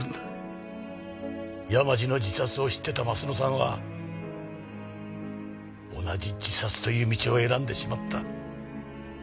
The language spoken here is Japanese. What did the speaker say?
山路の自殺を知ってた鱒乃さんは同じ自殺という道を選んでしまった。